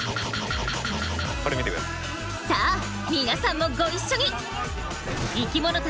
さあ皆さんもご一緒に！